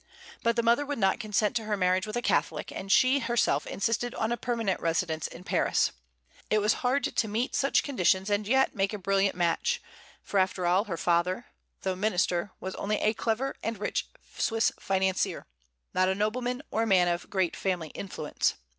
But the mother would not consent to her marriage with a Catholic, and she herself insisted on a permanent residence in Paris. It was hard to meet such conditions and yet make a brilliant match; for, after all, her father, though minister, was only a clever and rich Swiss financier, not a nobleman, or a man of great family influence.